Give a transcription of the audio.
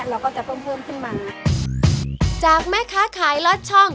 เราก็จะเพิ่มเพิ่มขึ้นมาจากแม่ค้าขายลอดช่อง